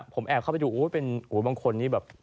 ผมแอบเข้าไปดูเป็นบางคนนี้แบบ